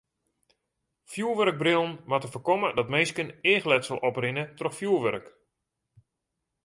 Fjoerwurkbrillen moatte foarkomme dat minsken eachletsel oprinne troch fjoerwurk.